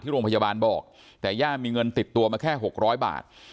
โรงพยาบาลบอกแต่ย่ามีเงินติดตัวมาแค่๖๐๐บาท